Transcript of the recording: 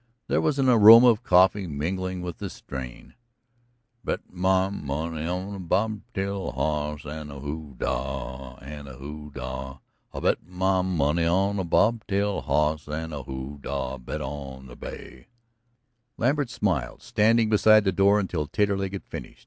There was an aroma of coffee mingling with the strain: Oh, I bet my money on a bob tailed hoss, An' a hoo dah, an' a hoo dah; I bet my money on a bob tailed hoss, An' a hoo dah bet on the bay. Lambert smiled, standing beside the door until Taterleg had finished.